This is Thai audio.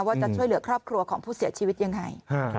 ว่าจะช่วยเหลือครอบครัวของผู้เสียชีวิตยังไง